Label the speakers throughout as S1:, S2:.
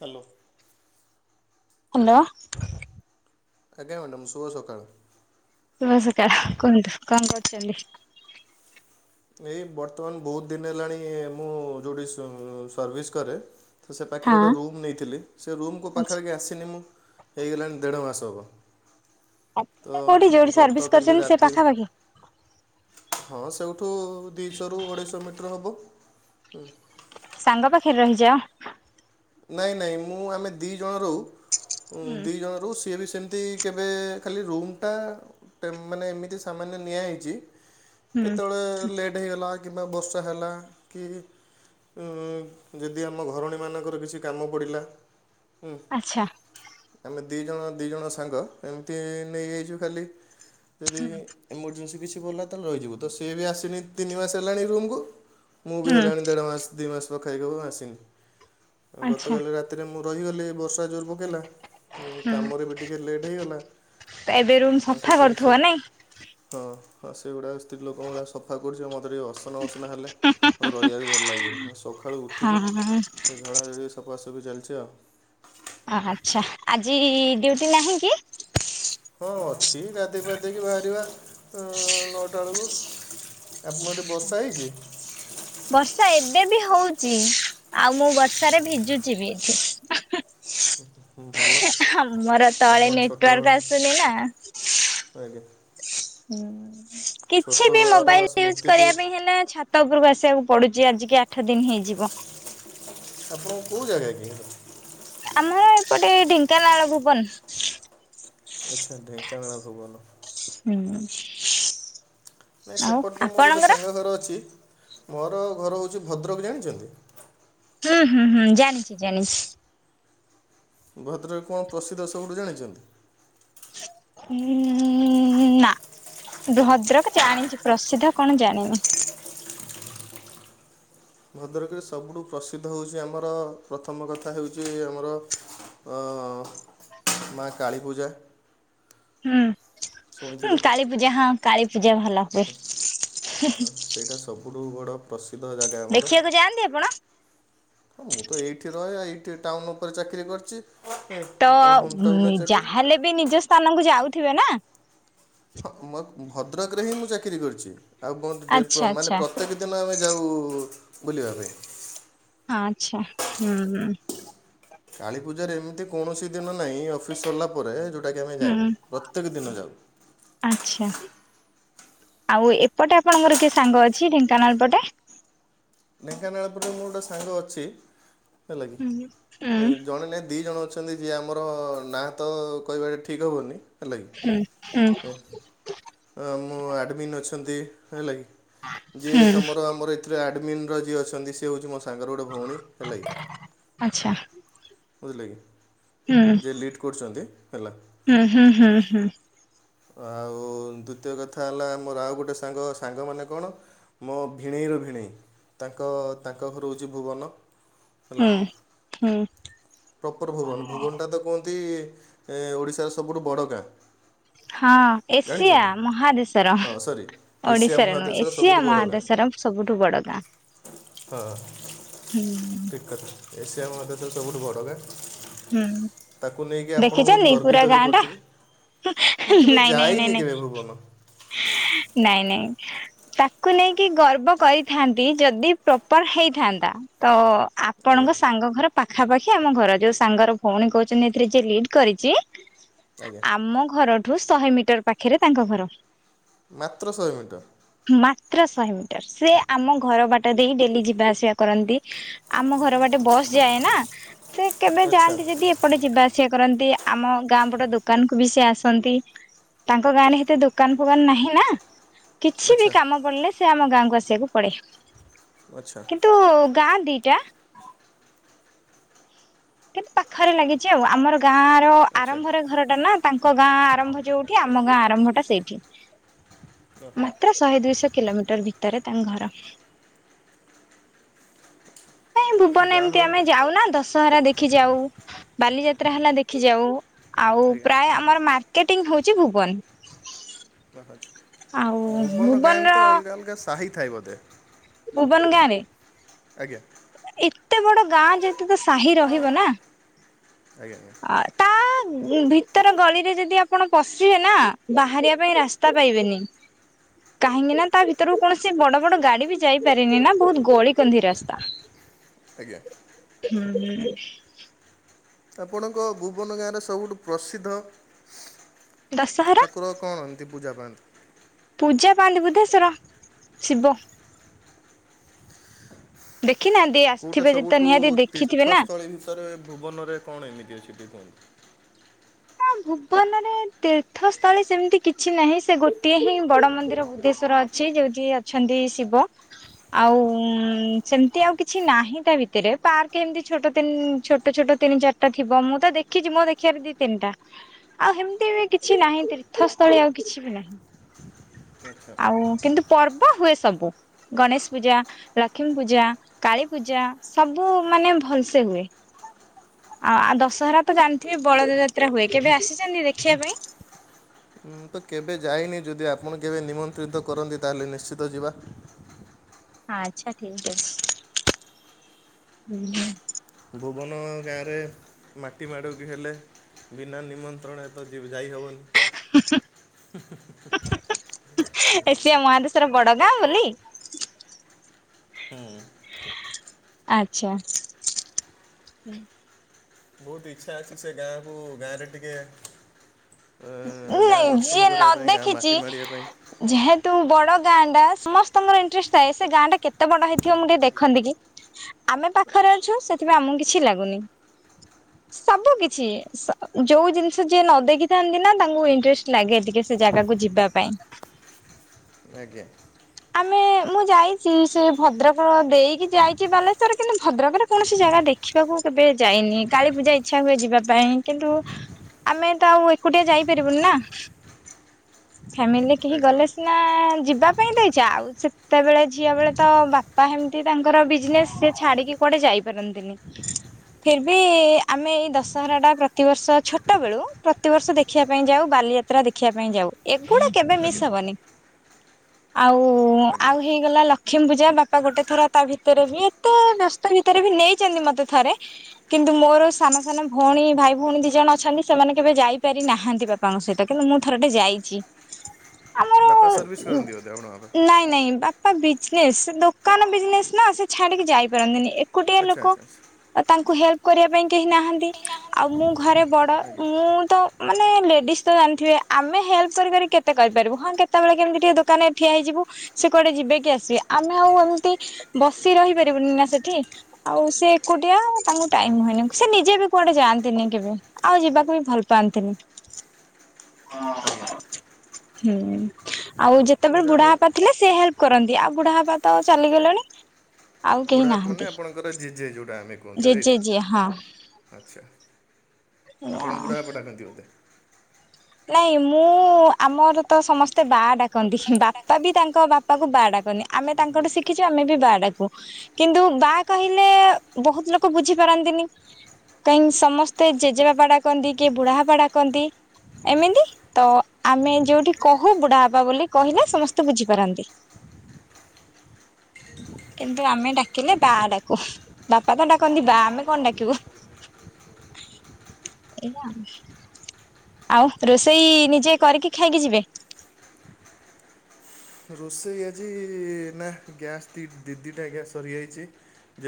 S1: Hello.
S2: Hello.
S1: ଆଜ୍ଞା madam ଶୁଭ ସକାଳ।
S2: ଶୁଭ ସକାଳ କୁହନ୍ତୁ କଣ କରୁଛନ୍ତି?
S1: ଏଇ ବର୍ତ୍ତମାନ ବହୁତ ଦିନ ହେଲାଣି ମୁଁ ଯୋଉଠି ସର୍ଭିସ କରେ ତ ସେ
S2: ହଁ
S1: ପାଖରେ ଗୋଟେ ରୁମ୍ ନେଇଥିଲି ସେ ରୁମକୁ
S2: ଆଚ୍ଛା
S1: ପାଖାପାଖି ଆସିନି ମୁଁ ହେଇଗଲାଣି ଦେଢ଼ ମାସେ ହେବ। ତ
S2: ଥିଲେ କୋଉଠି ଯୋଉଠି ସର୍ଭିସ
S1: ଗତକାଲି
S2: କରିଛନ୍ତି ସେ ପାଖାପାଖି
S1: ରାତିରେ ହଁ ସେଉଠୁ ଦିଇଶହରୁ ଅଢ଼େଇଶହ ମିଟର ହବ।
S2: ସାଙ୍ଗ ପାଖରେ ରହିଯା?
S1: ନାଇଁ ନାଇଁ ମୁଁ ଆମେ ଦି ଜଣ ରହୁ, ଉ
S2: ହୁଁ
S1: ଦି ଜଣ ରହୁ ସିଏ ବି ସେମିତି କେବେ ଖାଲି ରୁମ୍ ଟା ଟେମ ମାନେ ଏମିତି ସାମାନ୍ୟ ନିଆ ହେଇଛି।
S2: ହୁଁ
S1: କେତେବେଳେ ଲେ ହେଁଇଗଲା କିମ୍ୱା ବର୍ଷା ହେଲା କି ଉଁ ଯଦି ଆମ ଘରୋଣୀ ମାନଙ୍କ ର କିଛି ଜି କାମ ପଡ଼ିଲା ଉଁ।
S2: ଆଛା।
S1: ଆମେ ଦି ଜଣ ଦି ଜଣ ସାଙ୍ଗ ଏମିତି ନେଇଯାଇଯୁ ଖାଲି। ଯଦି ଏମର୍ଜେନ୍ସି କିଛି ପଡ଼ିଲା ତାହେଲେ ରହିଯିବୁ। ତ ସିଏ ବି ଆସିନି ତିନି ମାସ ହେଲାଣି ରୁମ୍ କୁ ମୁଁ ବି
S2: ହୁଁ
S1: ହେଲାଣି ଦେଢ଼ ମାସ ଦୁଇ ମାସ ପଖାକି ଆସିନି।
S2: ଆଚ୍ଛା।
S1: ଗତକାଲି ରାତିରେ ମୁଁ ରହିଗଲି ବର୍ଷା ଜୋର ପକେଇଲା। ଉଁ କାମରେ ବି ଟିକେ ଲେଟ୍ ହେଇଗଲା,
S2: ତ ଏବେ ରୁମ୍
S1: ଆ
S2: ସଫା
S1: ସେଥିପାଇଁ
S2: କରୁଥିବ
S1: ସେ
S2: ନାଇଁ
S1: ହଁ ହଁ ସେଗୁଡାକ ସ୍ତ୍ରୀ ଲୋକଙ୍କ ଭଳିଆ ସଫା କରୁଛି ମତେ ଟିକେ ଅସ ତ ନ ଅସନା ହେଲେ ଓ ରହିବାକୁ ଭଲ ଲାଗେ। ଆଉ ସଖାଳୁ ଉଠିକି
S2: ଉହୁଁ
S1: ଏ ଝଡ଼ାଝଡ଼ିକି ସଫାସଫି ଚାଲିଛି ଆଉ।
S2: ଆହାଛା ଆଜି ଡ୍ୟୁଟି ନାହିଁ କି?
S1: ହଁ ଅଛି ଗାଧୋଇ ପାଧୋଇକି ବାହାରିବା ଆ ନଅଟା ବେଳକୁ। ଆପଣ ଅଟେ ବର୍ଷା ହେଇଚି?
S2: ବର୍ଷା ଏବେ ବି ହୋଉଚି। ଆଉ ମୁଁ ବର୍ଷାରେ ଭିଜୁଛି ବି ଏଠି।
S1: ଭଲ
S2: ହାମୋର ତଳେ
S1: ଆପଣ ଛୋଟ
S2: ନେଟୱାର୍କ ଆସୁନି ନା।
S1: ଆଜ୍ଞା।
S2: ହୁଁ କିଛି ବି
S1: ଛୋଟବେଳର
S2: ମୋବାଇଲ ୟୁଜ
S1: ସ୍ମୃତିକୁ
S2: କରିବା ପାଇଁ ହେଲା ଛା ତ ଉପରକୁ ଆସିବାକୁ ପୋଡୁଚି ଆଜିିକି ଆଠ ଦିନ ହେଇଯିବ।
S1: ଆପଣ କୋଉ ଜାଗା କି ହେତା?
S2: ଆମ ଏପଟେ ଢେଙ୍କାନାଳ ଭୁବନ।
S1: ଆଛା ଢେଙ୍କାନାଳ ଭୁବନ।
S2: ହୁଁ।
S1: ନାଇ
S2: ଆଉ
S1: ସେପଟ ତ ମୋର ଗୋଟେ
S2: ଆପଣଙ୍କର?
S1: ସାଙ୍ଗ ଘର ଅଛି, ମୋର ଘର ହୋଉଚି ଭଦ୍ରକ ଜାଣିଛନ୍ତି?
S2: ହୁଁ ହୁଁ ହୁଁ ଜାଣିଚି ଜାଣିଛି।
S1: ଭଦ୍ରକ କଁ ପ୍ରସିଦ୍ଧ ସବୁଠୁ ଜାଣିଚନ୍ତି?
S2: ଉମ୍ ନା ଭଦ୍ରକ ଜାଣିଚି ପ୍ରସିଦ୍ଧ କଣ ଜାଣିନି।
S1: [unintelligible] ଭଦ୍ରକରେ ସବୁଠୁ ପ୍ରସିଦ୍ଧ ହୋଉଛି ଆମର ପ୍ରଥମ କଥା ହେଉଚି ଆମର ଆ ମା କାଳୀପୂଜା।
S2: ହୁଁ ହୁଁ
S1: ଶୁଣିଥିବେ
S2: କାଳୀ ପୂଜା ହଁ କାଳୀ ପୂଜା ଭଲ ହୁଏ।
S1: ଏଇଟା ସବୁଠୁ ବଡ଼ ପ୍ରସିଦ୍ଧ ଜାଗା ଆମର।
S2: ଦେଖିବାକୁ ଯାଆନ୍ତି ଆପଣ?
S1: ହୁଁ ମୁଁ ତ ଏଇଠି ରହେ ଏଇଠି ଟାଉନ ଉପରେ ଚାକିରି କରିଚି ଓ ହୋମ ଟାଉନରେ ଚାକିରି।
S2: ଏବେ ନିଜ ସ୍ଥାନକୁ ଯାଉଥିବେ ନା?
S1: ହଁ ମ ଭଦ୍ରକରେ ହିଁ ମୁଁ ଚାକିରି କରିଚି ଆଉ ମୋନ ଡେ
S2: ଆଚ୍ଛା
S1: ପ୍ରମାନ
S2: ଆଚ୍ଛା।
S1: ପ ଏ ବି ଦେଲାବେଳେ ଯାଉ ବୁଲିବା ପାଇଁ।
S2: ଆଛା ହୁଁ ହୁଁ।
S1: କାଳୀପୂଜାରେ ଏମିତି କୌଣସି ଦିନ ନାହିଁ ଅଫିସ୍ ସରିଲା ପରେ, ଯେଉଁଟାକି ଆମେ ଯାଇନୁ ପ୍ରତ୍ୟେକ ଦିନ ଯାଉ।
S2: ଆଛା, ଆଉ ଏପଟେ ଆପଣଙ୍କର କିଏ ସାଙ୍ଗ ଅଛି, ଢେଙ୍କାନାଳ ପଟେ?
S1: ଢେଙ୍କାନାଳ ପଟେ ମୋର ଗୋଟେ ସାଙ୍ଗ ଅଛି। ହେଲା କି,
S2: ହୁଁ ହୁଁ
S1: ଜଣେ ନାଇଁ ଦି ଜଣ ଅଛି। ଅଛନ୍ତି, ଯିଏ ଆମର, ନା ତ କହିବାଟ ଠିକ୍ ହବନି ହେଲା କିି।
S2: ହୁଁ, ହୁଁ।
S1: ଏ, ମୁଁ ଆଡମିନ୍ ଅଛନ୍ତି, ହେଲା କି! ଯିଏ
S2: ହୁଁ
S1: ତମର ଆମର ଏଥିରେ ଆଡମିିନ୍ ର ଯିଏ ଅଛନ୍ତି, ସେ ହଉଛି ମୋ ସାଙ୍ଗର ଗୋଟେ ଭଉଣୀ, ହେଲା କି!
S2: ଆଚ୍ଛା।
S1: ବୁଝିଲେ କି
S2: ହୁଁ।
S1: ଯିଏ ଲିଟ୍ କରୁଛନ୍ତି ହେଲା।
S2: ହୁଁ ହୁଁ ହୁଁ ହୁଁ
S1: ଆଉ ଦ୍ଵିତୀୟ କଥା ହେଲା, ମୋର ଆଉ ଗୋଟେ ସାଙ୍ଗ, ସାଙ୍ଗମାନେ କଣ? ମୋ ଭିଣେଇର ଭିଣେଇ। ତାଙ୍କ ତାଙ୍କ ଘରୁ ହଉଛି ଭୁବନ। ହେଲା
S2: ଉଁ, ହୁଁ।
S1: ପ୍ରପର୍ ଭୁବନ, ଭୁବନଟା ତ କୁହନ୍ତି। ଓଡ଼ିଶାର ସବୁଠୁ ବଡ଼ ଗାଁ।
S2: ହଁ, ଏସିଆ
S1: ଜାଣିଛନ୍ତି
S2: ମହାଦେଶର।
S1: ହଁ ସରି ଏସିଆ
S2: ଓଡିଶାରେ ନୁହେଁ।
S1: ମହାଦେଶର
S2: ଏସିଆ
S1: ସବୁଠୁ ବଡ଼ ଗାଁ
S2: ମହାଦେଶର ସବୁଠୁ ବଡ ଗାଁ।
S1: ହଁ,
S2: ହୁଁ
S1: ଠିକ୍ କଥା। ଏସିିଆ ମହାଦେଶର ସବୁଠୁ ବଡ଼ ଗାଁ।
S2: ହୁଁ
S1: ତାକୁ, ନେଇକି ଆପଣ ବହୁତ
S2: ଦେଖିଛନ୍ତି ପୁରା
S1: ଗର୍ବିତ ବି
S2: ଗାଁ ଟା
S1: କରୁଥିବେ। ମୁଁ, କେବେ
S2: ନାଇଁ ନାଇଁ ନାଇଁ
S1: ଯାଇନି
S2: ନାଇଁ
S1: କେବେ ଭୁବନ?
S2: ନାଇଁ, ନାଇଁ ତାକୁ ନେଇକି ଗର୍ବ କରିଥାନ୍ତି। ଯଦି ପ୍ରପର୍ ହେଇଥାନ୍ତା। ତ
S1: ଆଜ୍ଞା
S2: ଆପଣଙ୍କ ସାଙ୍ଗ ଘର ପାଖାପାଖି ଆମ ଘର। ଯୋଉ ସା ସାଙ୍ଗର ଭଉଣୀ କହୁଛନ୍ତି ଯିଏ ଲିଡ଼ କରିଚି।
S1: ଆଜ୍ଞା
S2: ଆମ ଘରଠୁ ଠୁ ଶହେ ମିଟର ପାଖରେ ତାଙ୍କ ଘର।
S1: ମାତ୍ର ଶହେ ମିଟର।
S2: ମାତ୍ର ଶହେ ମିଟର। ସେ ଆମ ଘର ବାଟ ଦେଇ ଡେଲି ଯିବା ଆସିବା କରନ୍ତି। ଆମ ଘର ବାଟେ ବସ୍ ଯାଏ ନା, ସେ କେବେ
S1: ଆଚ୍ଛା
S2: ଯାଆନ୍ତି ଯଦି ଏପଟେ ଯିବା ଆସିବା କରନ୍ତି। ଆମ ଗାଁ ପଟ ଦୋକାନ କୁ ବି ସିଏ ଆସନ୍ତି। ତାଙ୍କ ଗାଁ ରେ ହେତେ ଦୋକାନ ଫୋକାନ ନାହିଁ ନା! କିଛି ବି
S1: ଆଚ୍ଛା
S2: କାମ ପଡିଲେ ସେ ଆମ ଗାଁକୁ ଆସିବାକୁ ପଡେ।
S1: ଆଚ୍ଛା
S2: କିନ୍ତୁ ଗାଁ ଦିଟା କିନ୍ତୁ ପାଖରେ ଲାଗିଛି ଆଉ। ଆମର ଗାଁ ର
S1: ଆଚ୍ଛା
S2: ଆରମ୍ଭରେ ଘର ଟା ନା। ତାଙ୍କ ଗାଁ ଆରମ୍ଭ ଯୋଉଠି। ଆମ ଗାଁ ଆରମ୍ଭଟା ସେଇଠି।
S1: ଅ, ହ।
S2: ମାତ୍ର ଶହେ ଦୁଇଶହ କିଲୋମିଟର ଭିତରେ ତାଙ୍କ ଘର। ନାଇଁ ଭୁବନ
S1: ଯାହା
S2: ଏମିତି
S1: ହଉ
S2: ଆମେ ଯାଉନା ଦଶହରା ଦେଖି ଯାଉ, ବାଲିଯାତ୍ରା ହେଲା ଦେଖି ଯାଉ। ଆଉ,
S1: ଆଜ୍ଞା
S2: ପ୍ରାୟ ଆମର ମାର୍କେଟିଂ ହଉଛି ଭୁବନ।
S1: [inaudible]
S2: ଆଉ
S1: ଭୁବନ ଗାଁ
S2: ଭୁବନର
S1: ଭିତରେ ଅଲଗା ଅଲଗା ସାହି ଥାଏ ବୋଧେ!
S2: ଭୁବନ ଗାଁ ରେ
S1: ଆଜ୍ଞା।
S2: ଏତେ ବଡ ଗାଁ ଯେହେତୁ, ତ ସାହି ରହିବ ନା!
S1: ଆଜ୍ଞା ଆୟାଁ।
S2: ଅ, ତା ଭିତର ଗଳିରେ ଯଦି ଆପଣ ପଶିବେ ନା, ବାହାରିବା ପାଇଁ ରାସ୍ତା ପାଇବେନି। କାହିଁକି ନା, ତା ଭିତରୁ କୌଣସି ବଡ ବଡ ଗାଡି ବି ଯାଇପାରେନି ନା, ବହୁତ ଗଳି କନ୍ଦୀ ରାସ୍ତା।
S1: ଆଜ୍ଞା
S2: ହୁଁ, ହୁଁ।
S1: ଆପଣଙ୍କ ଭୁବନ ଗାଁ ରେ ସବୁଠୁ ପ୍ରସିଦ୍ଧ
S2: ଦଶହରା
S1: ଠାକୁର କଣ? ସେ ପୂଜା ପାଆନ୍ତି।
S2: ପୂଜା ପାଆନ୍ତି ବୁଦ୍ଧେଶ୍ଵର ଶିବ। ଦେଖିନାହାନ୍ତି ଆସିଥିବେ ଯଦି ତ ନିହାତି ଦେଖିଥିବେ ନା।
S1: ସତରେ ଭୁବନରେ କଣ ଏମିତି ଅଛି ଟିକେ ଲୁହନ୍ତୁ?
S2: ଭୁବନରେ ତୀର୍ଥସ୍ଥଳୀ ସେମିତି କିଛି ନାହିଁ ସେ ଗୋଟିଏ ହିଁ ବଡ଼ ମନ୍ଦିର ବୁଦ୍ଧେଶ୍ଵର ଅଛି। ସେଇ ଯାଉଚି ଅଛନ୍ତି ଶିବ। ଆଉ ସେମିନ୍ତି ଆଉ କିଛି ନାହିଁ ତା ଭିତରେ ପାର୍କ ହେମିନ୍ତି ଛୋଟ ତିନ ଛୋ ଛୋଟ ତିନି ଚାରଟା ଥିବ ମୁଁ ଦେଖିଚି ମୋ ଦେଖି଼ବାର ଦିଇ ତିନିଟା। ଆଉ ହେମିତି ବି କିଛି ନାହିଁ ତୀର୍ଥସ୍ଥଳୀ ଆଉ କିଛି ବି ନାହିଁ।
S1: ଆଚ୍ଛା।
S2: ଆଉ କିନ୍ତୁ ପର୍ବ ହୁଏ ସବୁ ଗଣେଶ ପୂଜା। ଲକ୍ଷ୍ମୀ ପୂଜା କାଳୀ ପୂଜା ସବୁ ମାନେ ଭଲସେ ହୁଏ। ଆଉ ଆଉ ଦଶହରା ତ ଜାଣିଥିବେ ବଳଦ ଯାତ୍ରା ହୁଏ କେବେ ଆସିଛନ୍ତିକି ଦେଖିବା ପାଇଁ?
S1: ମୁଁ ତ କେବେ ଯାଇନି ଜଦି ଅପଣ କେବେ ନି ନିମନ୍ତ୍ରିତ କରନ୍ତି ତାହେଲେ ନିଶ୍ଚିତ ଜିବା।
S2: ଆଛା ଠିକ୍ ଅଚି ହୁଁ ହୁଁ।
S1: ଭୁବନ ଗାଁରେ ମାଟି ମାଡିବାକୁ ହେଲେ ବିନା ନିମନ୍ତ୍ରଣ ରେ ତ ଜିବି ଯାଇ ହବନି ହୁଁ ହୁଁ ହୁଁ
S2: ଏସିଆ ମହାଦେଶର ବଡଗାଁ ବୋଲି।
S1: ହୁଁ।
S2: ଆଛା ହୁଁ।
S1: ବୋଉହୁତ ଇଛା ଅଛି ସେ ଗାଁକୁ ଗାଁରେ ଟିକେ ଅ ଗାଁ
S2: ନାଇଁ ଯିଏ
S1: ଦର୍ଶନ
S2: ନ
S1: କରିବା ପାଇଁ ଗାଁ
S2: ଦେଖିଛି
S1: ମାଟି ମାଡ଼ିବା ପାଇଁ।
S2: ଯେହେତୁ ବଡ ଗାଁ ଟା ସମସ୍ତଙ୍କର ଇଣ୍ଟରେଷ୍ଟ ଥାଏ ସେ ଗାଁ ଟା କେତେ ବଡ ହେଇଥିବ ମୁଁ ଟିକେ
S1: ଆଜ୍ଞା
S2: ଦେଖନ୍ତି କି। ଆମେ ପାଖରେ ଅଛୁ ସେଥିପାଇଁ ଆମକୁ କିଛି ଲାଗୁନି। ସବୁ କିଛି ଯୋଉ ଜିନିଷ ଯିଏ ନଦେଇଖି଼ ଥାନ୍ତି ନା ତାଙ୍କୁ ଇଣ୍ଟରେଷ୍ଟ ଲାଗେ ଟିକେ ସେ ଜାଗାକୁ ଯିବା ପାଇଁ।
S1: ଆଜ୍ଞା।
S2: ଆମେ ମୁଁ ଯାଇଚି ସେ ଭଦ୍ରକ ଦେଇକି ଯାଇଛି ବାଲେଶ୍ୱଵର କିନ୍ତୁ ଭଦ୍ରକରେ କୌଣସି ଜାଗା ଦେଖି ଦେଖିବାକୁ କେବେ ଯାଇନି କାଳୀ ପୂଜା ଇଛା ହୁଏ ଯିବା ପାଇଁ କିନ୍ତୁ। ଆମେ ତ ଆଉ ଏକୁଟିଆ ଯାଇପାରିବୁନି ନା। ଫ୍ୟାମିଲିରେ କେହି
S1: ଆଜ୍ଞା
S2: ଗଲେ ସିନା ଯିବା ପାଇଁ ତ ଇଛ ଜାଉ ସେତେବେଳେ ଝିଅ ବେଳେ ତ ବାପା ହେମିତି ତାଙ୍କର ବିଜନେସ୍ ସିଏ ଛାଡ଼ିକି କୁଆଡ଼େ ଯାଇପାରନ୍ତିନି। ହ ଫିର୍ ବି ଆମେ ଏଇ ଦଶହରା ଟା ପ୍ରତିବର୍ଷ ଛୋଟ ବେଳୁ ପ୍ରତିବର୍ଷ ଦେଖିବା ପାଇଁ ଯାଉ ବାଲିଯା ତ୍ରା ଦେଖିବା ପାଇଁ ଯାଉ ଏଗୁଡା କେବେ ମିସ୍
S1: ଆଜ୍ଞା।
S2: ହବନି। ଆଉ
S1: ଆଜ୍ଞା।
S2: ଆଉ ହେଇଗଲା ଲକ୍ଷ୍ମୀ ପୂଜା ବାପା ଗୋଟେ ଥର ତା ଭିତରେ ବି ଏତେ ବ୍ୟଶ୍ ସ୍ତ ଭିତରେ ବି ନେଇଚନ୍ତି ମତେ ଥରେ। କିନ୍ତୁ ମୋର ସାନ ସାନ ଭଉଣୀ ଭାଇ ଭଉଣୀ ଦିଜଣ ଅଛନ୍ତି ସେମାନେ କେବେ ଯାଇପାରି ନାହାନ୍ତି ବାପ୍ ବାପାଙ୍କ ସହିତ କିନ୍ତୁ ମୁଁ ଥର ଟେ ଯାଇଚି। ଆମର
S1: ବାପା ସର୍ଭିସ୍ [unintelligible]
S2: ନାଇଁ ନାଇଁ ବାପା ବିଜନେସ୍ ଦୋକାନ ବିଜନେସ୍ ନା ସେ ଛାଡ଼ିକି ଯାଇପାରନ୍ତିନି। ଏ ଗୋଟିଏ
S1: ଆଚ୍ଛା
S2: ଲୋକ
S1: ଆଚ୍ଛା ଆଚ୍ଛା।
S2: ତାଙ୍କୁ ହେଲ୍ପ କରିବା ପାଇଁ କେହି ନାହାନ୍ତି।
S1: ନାହାନ୍ତି।
S2: ଆଉ ମୁଁ ଘରେ ବଡ଼
S1: ଆଜ୍ଞା
S2: ମୁଁ ତ ମାନେ ଲେଡିଜ ତ ଜାଣିଥିବେ। ଆମେ ହେଲ୍ପ କରିି କରି କେତେ କରିପାରିବୁ ହଁ କେତେବେଳେ କେମିତି ଟିକେ ଦୋକାନରେ ଠିଆ ହେଇଯିବୁ ସେ କୁଆଡେ ଯିବେକି ଆସିବେ ଆମେ ଆଉ ଏମିତି ବସି ରହିପାରିବୁନି ନା ସେଠି। ଆଉ ସେ ଏକୁଟିଆ ତାଙ୍କୁ ଟାଇମ ହୁଏନି ସେ ନିଜେ ବି କୁଆଡେ ଯାନ୍ତିନି କେବେ। ଆଉ ଯିବାକୁ ବି ଭଲ ପାଆନ୍ତିନି।
S1: ଆଜ୍ଞା
S2: ହୁଁ ଆଉ ଯେତେବେଳେ
S1: ଯାହା
S2: ବୁଢା
S1: ହଉ
S2: ବାପା ଥିଲେ ସେ ହେ ଲେପ୍ କରନ୍ତି ଆଉ ବୁଢା ବାପା ତ ଚାଲିଗଲେଣି ଆଉ କେହି
S1: ବୁଢା ବାପା ମାନେ
S2: ନାହାନ୍ତି
S1: ଆପଣଙ୍କର ଜେଜେ ଯେଉଟା ଆମେ କୁହନ୍ତି ରାଇଟ୍।
S2: ଜେଜେ ଯିଏ ହଁ
S1: ଆଚ୍ଛା
S2: ଏଇଆ
S1: ଆପଣ
S2: ଆଉ।
S1: ବୁଢ଼ା ବାପା ଡ଼ାକନ୍ତି ବୋଧେ।
S2: ନାଇଁ ମୁଁ ଆମର ତ ସମସ୍ତେ ବା ଡାକନ୍ତି ବାପା ବି ତାଙ୍କ ବାପା ବାପାକୁ ବା ଡାକନି ଆମେ ତାଙ୍କଠୁ ଶିଖିଛୁ ଆମେ ବି ବା ଡ଼ାକୁ। କିନ୍ତୁ ବା କହିଲେ ବହୁତ ଲୋକ ବୁଝି ପାରନ୍ତିନି। କାହିଁକି ସମସ୍ତେ ଜେଜେବାପା ଡାକନ୍ତି କିଏ ବୁଢାବାପା ଡାକନ୍ତି। ଏମିତି ତ ଆମେ ଯୋଉଠି କହୁ ବୁଢା ବାପା ବୋଲି କହିଲେ ସମସ୍ତେ ବୁଝିପାରନ୍ତି। ହ କିନ୍ତୁ ଆମେ ଡାକିଲେ ବା ଡାକୁ ବାପା ତ ଡାକନ୍ତି ବା ଆମେ କଣ ଡାକିବୁ। ଏଇୟା ଆଉ। ଆଉ ରୋଷେଇ ନିଜେ କରିକି ଖାଇକି ଯିବେ?
S1: ରୋଷେଇ ଆଜି ନା ଗ୍ୟାସ୍ ଦି ଦିଟା ଗ୍ୟାସ୍ ସରିଯାଇଛି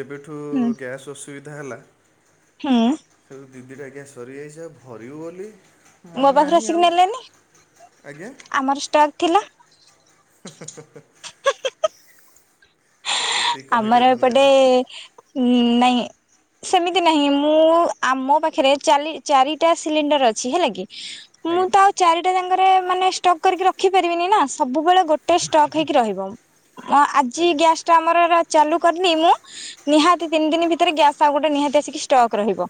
S1: ଯେବେଠୁ
S2: ହୁଁ
S1: ରୁ ଗ୍ୟାସ୍ ଅସୁବିଧା ହେଲା
S2: ହୁଁ
S1: ସବୁ ଦି ଦିଟା ଗ୍ୟାସ୍ ସରିଯାଇଛି ଆଉ ଭରିବୁ ବୋଲି
S2: ମୋ
S1: ମନେ
S2: ପାଖରୁ
S1: ନାହିଁ
S2: ଆସିକି
S1: ଆଉ
S2: ନେଲେନି
S1: ଆଜ୍ଞା
S2: ଆମର ଷ୍ଟକ୍ ଥିଲା।
S1: ହ ସେତିକି କହିଲେ
S2: ଆମର ଏପଟେ
S1: ଧନ୍ୟବାଦ
S2: ନାଇଁ ସେମିତି ନାହିଁ ମୁଁ ଆମ ପାଖରେ ଚାରି ଚାରିଟା ସିଲିଣ୍ଡର ଅଛି ହେଲା କି ମୁଁ
S1: ଆଜ୍ଞା
S2: ତ ଆଉ ଚାରିଟା ଯାଙ୍କରେ ମାନେ ଷ୍ଟକ୍ କରିକି ରଖି ପାରିବିନି ନା ସବୁବେଳେ ଗୋଟେ ଷ୍ଟକ୍ ହେଇକି ରହିବ। ଏମ୍ ଆଜି
S1: ଆଜ୍ଞା।
S2: ଗ୍ୟାସ ଟା ଆମର ମୁଁ ଆଉ ଚାଲୁ କରିନି ମୁଁ ନିହାତି ତିନି ଦିନ ଭିତରେ ଗ୍ୟାସ ଆଉ ଗୋଟେ ନିହାତି ଆସିକି ଷ୍ଟକ୍ ରହିବ।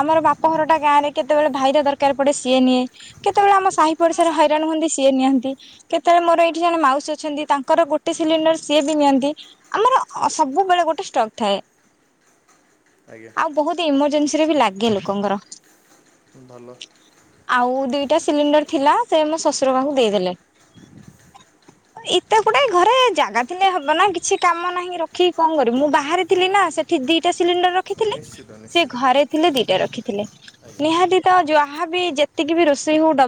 S2: ଆମର ବାପ ଘରଟା ଗାଁ ରେ କେତେବେଳେ ଭାଇର ଦରକାର ପଡେ ସିଏ ନିଏ। କେତେବେଳେ ଆମ ସାହି
S1: ଆମ
S2: ପଡିଶାରେ
S1: ସାହି
S2: ହଇରାଣ ହୁଅନ୍ତି ସିଏ ନିଅନ୍ତି। କେତେବେଳେ ମୋର ଏଇଠି ଜଣେ ମାଉସୀ ଅଛନ୍ତି ତାଙ୍କର ଗୋଟେ ସିଲିଣ୍ଡର ସିଏ ବି ନିଅନ୍ତି। ଆମର ଅ ସବୁବେଳେ ଗୋଟେ ଷ୍ଟକ୍ ଥାଏ।
S1: ଆଜ୍ଞା।
S2: ଆଉ ବହୁତ ଏମରଜେନ୍ସିରେ ବି ଲାଗେ ଲୋକଙ୍କର
S1: ଭଲ
S2: ଆଉ ଦିଇଟା ସିଲିଣ୍ଡର ଥିଲା ଯେ ମୋ ଶ୍ୱଶୁର କାହାକୁ ଦେଇଦେଲେ। ଏତେ ଗୁଡା ଘରେ ଜାଗା ଥିଲେ ହବ ନା କିଛି। କାମ ନାହିଁ ରଖିକି କଣ କରିବି ମୁଁ ବାହିରି ଥିଲି ନା ସେଠି ଦିଟା ସିଲିଣ୍ଡର ରଖିଥିଲି
S1: ନିଶ୍ଚିତ
S2: ସେ
S1: ନିଶ୍ଚିତ
S2: ଘରେ ଥିଲେ ଦିଟା ରଖିଥିଲେ
S1: ଆଜ୍ଞା
S2: ନିହାତି ତ ଯାହାବି ଯେତିକି ବି ରୋଷେଇ ହଉ ଡବଲ